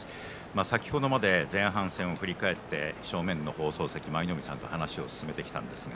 先ほどまで前半戦を振り返って正面の放送席、舞の海さんと話を進めてきました。